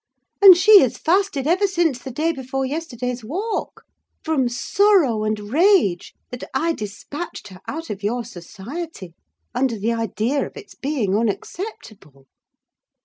And she has fasted ever since the day before yesterday's walk, from sorrow and rage that I despatched her out of your society under the idea of its being unacceptable."